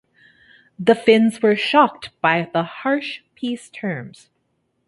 The Finns were shocked by the harsh peace terms.